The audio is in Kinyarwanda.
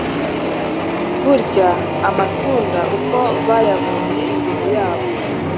bakarya amatunda uko bayabonye imbere yabo,